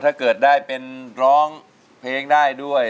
ถ้าเกิดได้เป็นร้องเพลงได้ด้วย